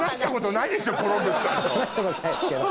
話したことないですけど。